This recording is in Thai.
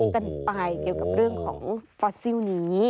กันไปเกี่ยวกับเรื่องของฟอสซิลนี้